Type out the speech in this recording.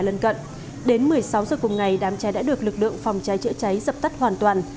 lân cận đến một mươi sáu giờ cùng ngày đám cháy đã được lực lượng phòng cháy chữa cháy dập tắt hoàn toàn